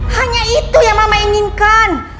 hanya itu yang mama inginkan